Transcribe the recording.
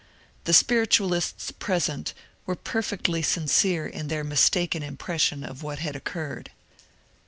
The spiritualists present were perfectly sincere in their mistaken impression of what had occurred.